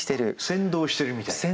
先導してるみたいな。